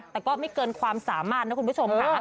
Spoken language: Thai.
แต่ก็ไม่เกินความสามารถนะคุณผู้ชมค่ะ